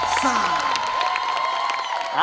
แซสเตอร์หวาส้มชนใจ